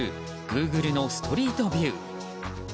グーグルのストリートビュー。